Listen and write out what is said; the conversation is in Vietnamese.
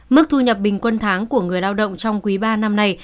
mức thu nhập bình quân tháng của người lao động trong quý ba năm nay